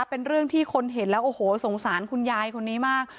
เป็นเรื่องที่คนเห็นแล้วโอ้โหสงสารคุณยายคนนี้มาก